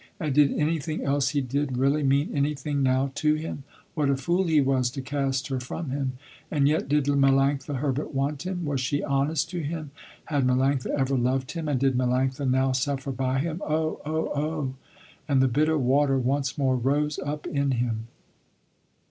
And did anything else he did, really mean anything now to him? What a fool he was to cast her from him. And yet did Melanctha Herbert want him, was she honest to him, had Melanctha ever loved him, and did Melanctha now suffer by him? Oh! Oh! Oh! and the bitter water once more rose up in him.